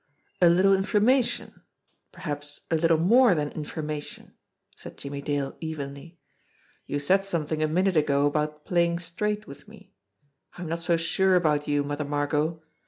"A little information perhaps a little more than informa tion," said Jimmie Dale evenly. "You said something a minute ago about playing straight with me. I'm not so sure about you, Mother Margot.